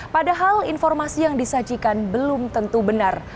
padahal informasi yang disajikan belum tentu benar